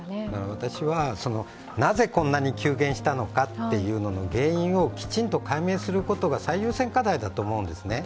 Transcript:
私はなぜこんなに急減したのかということのきちんと解明することが最優先課題だと思うんですね。